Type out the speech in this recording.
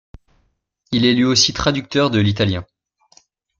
Il est aussi traducteur de l'italien.